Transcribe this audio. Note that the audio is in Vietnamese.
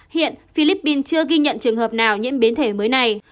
hiện philippines chưa ghi nhận trường hợp nào nhiễm biến thể mới này